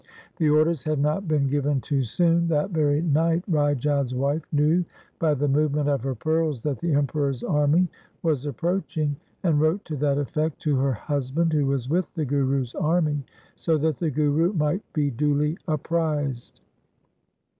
The orders had not been given too soon. That very night Rai Jodh's wife knew by the movement of her pearls that the Emperor's army was approaching, and wrote to that effect to her husband who was with the Guru's army, so that the Guru might be duly apprised.